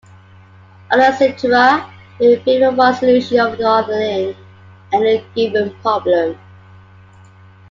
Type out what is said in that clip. Other criteria may favor one solution over the other in any given problem.